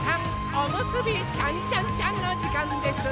おむすびちゃんちゃんちゃんのじかんです！